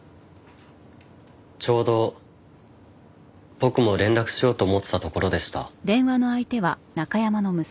ちょうど僕も連絡しようと思ってたところでした。